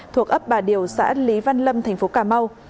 thuộc ấp bà điều xã lý văn lâm tp cm